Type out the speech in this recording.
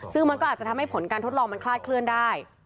ซึ่งมันก็อาจจะทำให้ผลการทดลองมันคลาดเคลื่อนได้